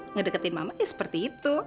ngedeketin mama seperti itu